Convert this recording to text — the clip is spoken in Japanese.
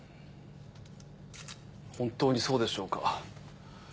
本当にそうでしょうか。